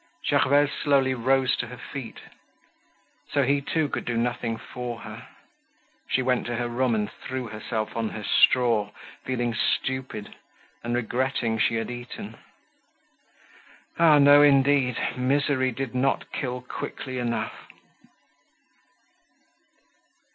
Gervaise slowly rose to her feet. So he too could do nothing for her. She went to her room and threw herself on her straw, feeling stupid, and regretting she had eaten. Ah! no indeed, misery did not kill quickly enough.